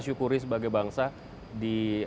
syukuri sebagai bangsa di